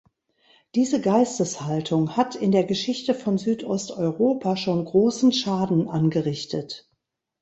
Diese Geisteshaltung hat in der Geschichte von Südosteuropa schon großen Schaden angerichtet.